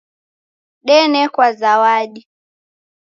Denekwa zawadi